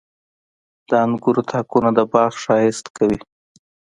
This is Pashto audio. • د انګورو تاکونه د باغ ښایست کوي.